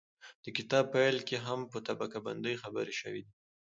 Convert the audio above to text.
د کتاب پيل کې هم په طبقه باندې خبرې شوي دي